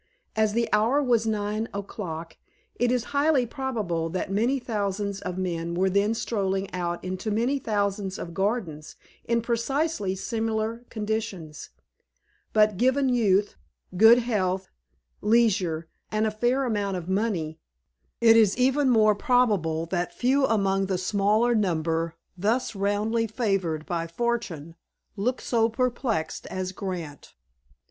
As the hour was nine o'clock, it is highly probable that many thousands of men were then strolling out into many thousands of gardens in precisely similar conditions; but, given youth, good health, leisure, and a fair amount of money, it is even more probable that few among the smaller number thus roundly favored by fortune looked so perplexed as Grant.